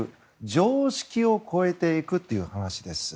常識を超えていくという話です。